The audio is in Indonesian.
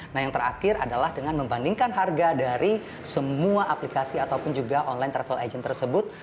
nah yang terakhir adalah dengan membandingkan harga dari semua aplikasi ataupun juga online travel agent tersebut